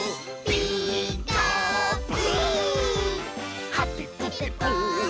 「ピーカーブ！」